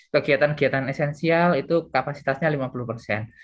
kegiatan kegiatan esensial itu kapasitasnya lima puluh persen